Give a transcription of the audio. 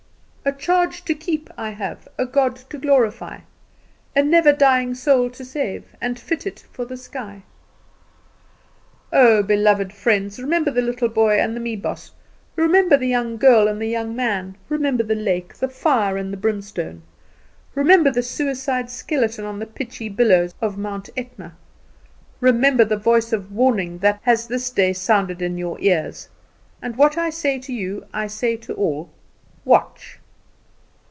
"'A charge to keep I have, A God to glorify; A never dying soul to save, And fit it for the sky.' "Oh, beloved friends, remember the little boy and the meiboss; remember the young girl and the young man; remember the lake, the fire, and the brimstone; remember the suicide's skeleton on the pitchy billows of Mount Etna; remember the voice of warning that has this day sounded in your ears; and what I say to you I say to all watch!